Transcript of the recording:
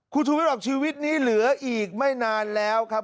คุณชูวิทย์บอกชีวิตนี้เหลืออีกไม่นานแล้วครับ